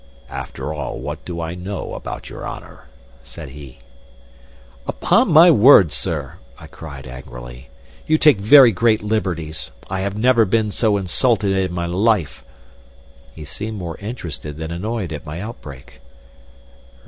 "After all, what do I know about your honor?" said he. "Upon my word, sir," I cried, angrily, "you take very great liberties! I have never been so insulted in my life." He seemed more interested than annoyed at my outbreak.